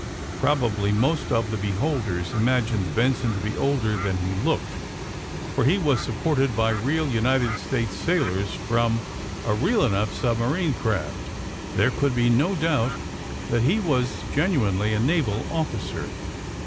Prob ably most of the beholders imagined Benson to be older than he looked, for he was supported by real United States sailors from a real enough submarine craft. There could be no doubt that he was genuinely a naval officer.